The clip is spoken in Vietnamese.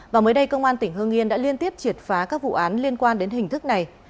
và mới đây công an tỉnh hương yên đã liên tiếp triệt phá các vụ án liên quan đến hình thức này